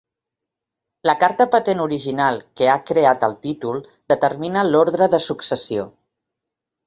La carta patent original que ha creat el títol determina l'ordre de successió.